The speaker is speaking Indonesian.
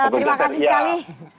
terima kasih sekali